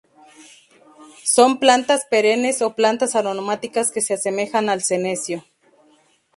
Son plantas perennes o plantas aromáticas que se asemejan al "Senecio".